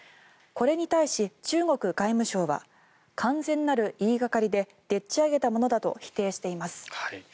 これに対し、中国外務省は完全なる言いがかりででっち上げたものだと否定しています。